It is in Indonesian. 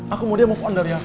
aku mau dia move under ya